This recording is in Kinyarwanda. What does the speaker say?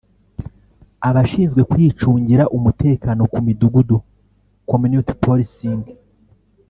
abashinzwe kwicungira umutekano ku midugudu (community Policing)